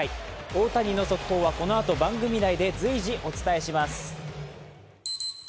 大谷の速報はこのあと番組内で随時、お伝えします。